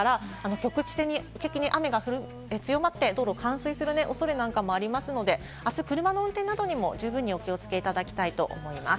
局地的に雨が強まって、道路が冠水する恐れもありますので、あす車の運転にも十分に、お気を付けいただきたいと思います。